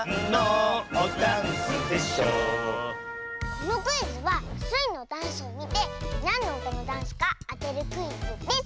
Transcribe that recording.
このクイズはスイのダンスをみてなんのうたのダンスかあてるクイズです！